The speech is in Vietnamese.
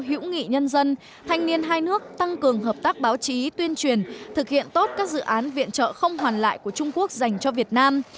hữu nghị nhân dân thanh niên hai nước tăng cường hợp tác báo chí tuyên truyền thực hiện tốt các dự án viện trợ không hoàn lại của trung quốc dành cho việt nam